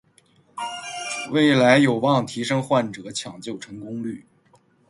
未来有望提升患者抢救成功率